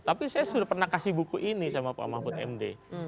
tapi saya sudah pernah kasih buku ini sama pak mahfud md